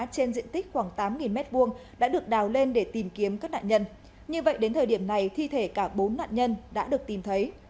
trên diện tích khoảng tám m hai đã được đào lên để tìm kiếm các nạn nhân như vậy đến thời điểm này thi thể cả bốn nạn nhân đã được tìm thấy